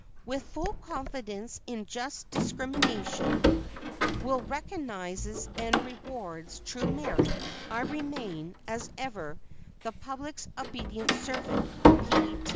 With full confidence in that just discrimination which recognizes and rewards true merit, I remain, as ever, the public's obedient servant.